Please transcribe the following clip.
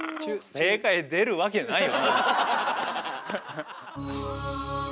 正解出るわけないよな。